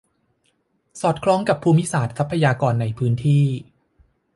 สอดคล้องกับภูมิศาสตร์ ทรัพยากร ในพื้นที่